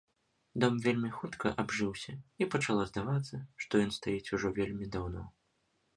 Дом вельмі хутка абжыўся, і пачало здавацца, што ён стаіць ужо вельмі даўно.